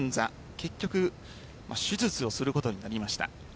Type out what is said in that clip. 結局、手術をすることになりました。